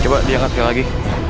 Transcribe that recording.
coba diangkat sekali lagi